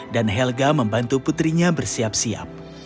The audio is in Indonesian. dan helga membantu putrinya bersiap siap